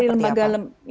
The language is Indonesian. bisa dari lembaga lembaga